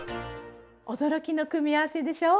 驚きの組み合わせでしょう？